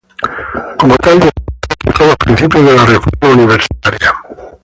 Como tal defendió y aplicó los principios de la Reforma Universitaria.